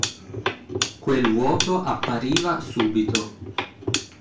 Quel vuoto appariva subito